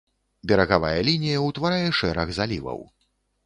Берагавая лінія ўтварае шэраг заліваў.